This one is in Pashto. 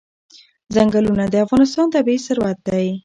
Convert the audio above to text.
ځنګلونه د افغانستان طبعي ثروت دی.